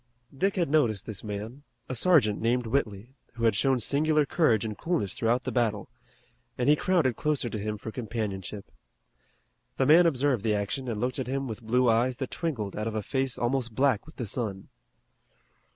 Dick had noticed this man, a sergeant named Whitley, who had shown singular courage and coolness throughout the battle, and he crowded closer to him for companionship. The man observed the action and looked at him with blue eyes that twinkled out of a face almost black with the sun.